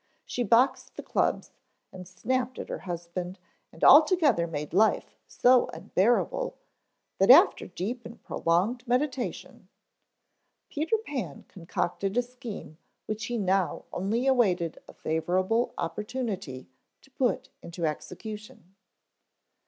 She boxed the cubs and snapped at her husband and altogether made life so unbearable that after deep and prolonged meditation Peter Pan concocted a scheme which he now only awaited a favorable opportunity to put into execution.